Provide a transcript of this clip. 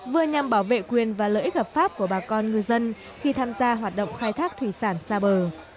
vừa nhằm bảo vệ quyền và lợi ích hợp pháp của bà con ngư dân khi tham gia hoạt động khai thác thủy sản xa bờ